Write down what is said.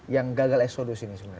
yang gagal eksodus ini sebenarnya